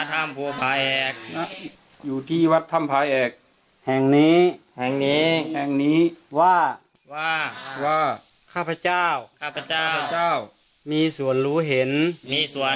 ทั้งหลายที่อยู่ในหลวงปุรินแห่งนี้ว่าข้าพเจ้ามีส่วนรู้เห็น